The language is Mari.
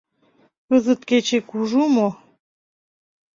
Кызыт кече кужу мо?